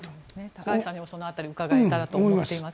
高橋さんにもその辺りを伺えたらと思っています。